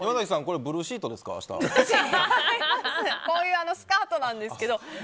こういうスカートなんですけど。